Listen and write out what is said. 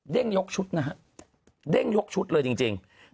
เด้งยกชุดนะครับเด้งยกชุดเลยจริง